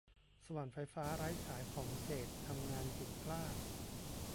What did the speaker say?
สว่านไฟฟ้าไร้สายของเจดทำงานผิดพลาด